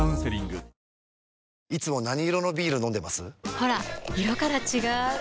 ほら色から違う！